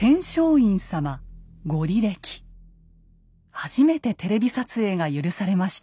初めてテレビ撮影が許されました。